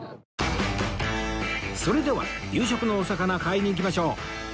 それでは夕食のお魚買いに行きましょう